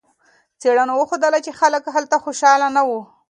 څېړنو وښودله چې خلک هلته خوشحاله نه وو.